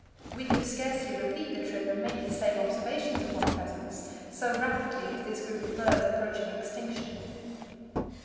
We could scarcely repeat the trip and make the same observations upon pheasants, so rapidly is this group of birds approaching extinction.